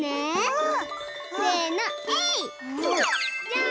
うん！